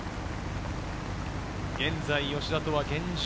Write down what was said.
現在、吉田とは現状